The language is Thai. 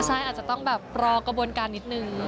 ใช่อาจจะต้องรอกระบวนกันนิดหนึ่ง